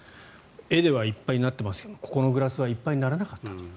絵ではいっぱいになってますがここのグラスはいっぱいにならなかったと。